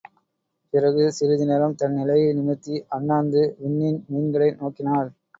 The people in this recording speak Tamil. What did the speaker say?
பிறகு சிறிது நேரம் தன் தலையை நிமிர்த்தி அண்ணாந்து விண்ணின் மீன்களை நோக்கினாள்.